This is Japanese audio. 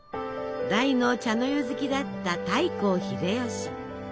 大の茶の湯好きだった太閤秀吉。